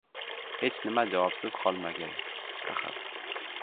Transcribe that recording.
Hech nima javobsiz qolmagay, axir